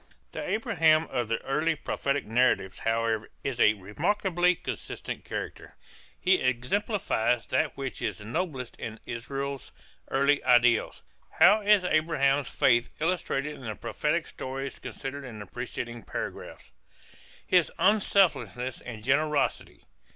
The Abraham of the early prophetic narratives, however, is a remarkably consistent character. He exemplifies that which is noblest in Israel's early ideals. How is Abraham's faith illustrated in the prophetic stories considered in the preceding paragraph? His unselfishness and generosity?